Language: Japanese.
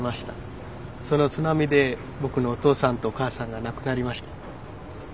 その津波で僕のお父さんとお母さんが亡くなりました。